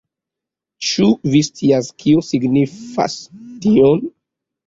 Ĉu vi scias kio signifas tion?